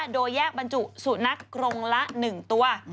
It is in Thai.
โดยแยกบรรจุสุนัขกรงละ๑ตัว